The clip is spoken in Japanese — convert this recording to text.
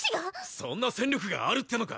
そんな戦力があるってのか！？